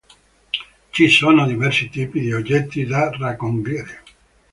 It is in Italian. Ci sono diversi tipi di oggetti da raccogliere.